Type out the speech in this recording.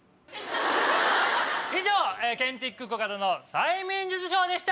以上ケンティックコカドの催眠術ショーでした！